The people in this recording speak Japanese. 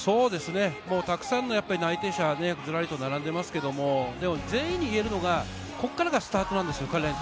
たくさんの内定者、ずらりと並んでいますけど、全員にいえるのがここからがスタートなんですよ。